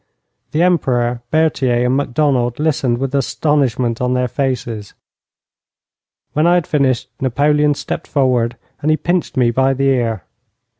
The Emperor, Berthier, and Macdonald listened with astonishment on their faces. When I had finished Napoleon stepped forward and he pinched me by the ear.